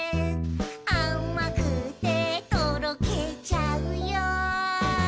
「あまくてとろけちゃうよ」